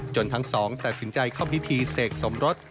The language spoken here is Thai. ทั้งสองตัดสินใจเข้าพิธีเสกสมรส